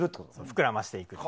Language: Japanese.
膨らませていくと。